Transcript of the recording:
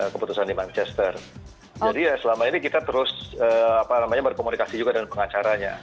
keputusan di manchester jadi ya selama ini kita terus berkomunikasi juga dengan pengacaranya